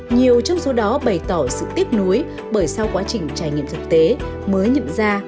nhiều trong số đó bày tỏ sự tiếc nuối bởi sau quá trình trải nghiệm thực tế mới nhận ra